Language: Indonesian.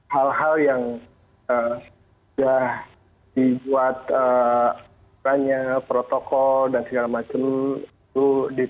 hal hal yang sudah dibuat banyak protokol dan segala macam itu